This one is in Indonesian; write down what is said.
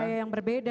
budaya yang berbeda